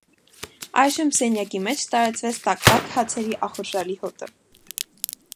Այժմ սենյակի մեջ տարածվեց տաք-տաք հացերի ախորժալի հոտը: